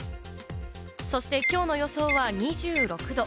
そして、きょうの予想は２６度。